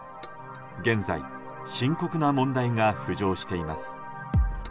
現在、深刻な問題が浮上しています。